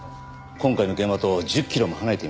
今回の現場と１０キロも離れていません。